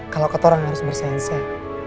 kalau katorang harus bersensial